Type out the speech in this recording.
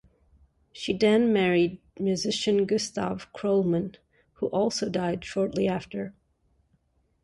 She then married musician Gustave Krollman who also died shortly after.